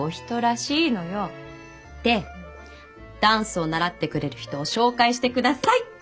でダンスを習ってくれる人を紹介してくださいって。